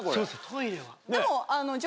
トイレは？